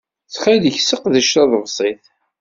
Ttxil-k, seqdec tadebsit!